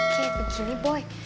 kayak begini boy